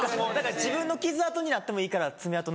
自分の傷痕になってもいいから爪痕残せるぐらい。